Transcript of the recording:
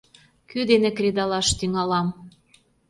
Кӧ дене кредалаш тӱҥалам?